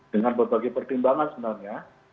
dengan berbagai pertimbangan sebenarnya